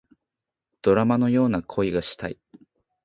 ドラマのような恋がしたい